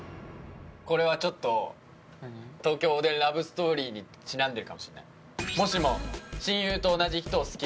これはちょっと東京おでんラブストーリーにちなんでるかもしれない泥沼よ